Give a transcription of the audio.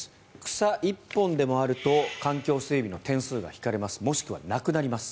草一本でもあると環境整備の点数が引かれますもしくはなくなります。